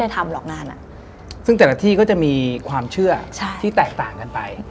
แตกต่างกันไป